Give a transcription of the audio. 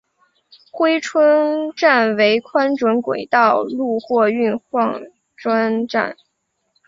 珲春站为宽准轨铁路货运换装站。